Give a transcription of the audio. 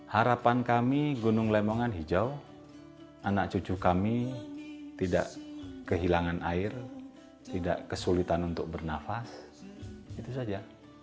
harapan kami gunung lemongan hijau anak cucu kami tidak kehilangan air tidak kesulitan untuk bernafas itu saja